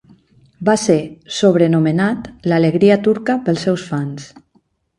Va ser sobrenomenat "L'alegria turca" pels seus fans.